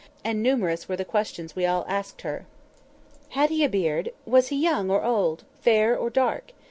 and numerous were the questions we all asked her. "Had he a beard?" "Was he young, or old?" "Fair, or dark?"